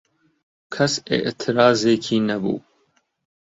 کەس ئێعترازێکی نەبوو